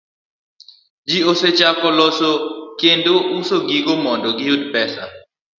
Ji osechako loso kendo uso gigo mondo giyud pesa.